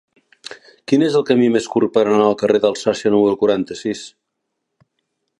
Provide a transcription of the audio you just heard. Quin és el camí més curt per anar al carrer d'Alsàcia número quaranta-sis?